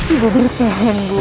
ibu berpengen ibu